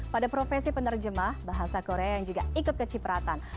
pada profesi penerjemah bahasa korea yang juga ikut kecipratan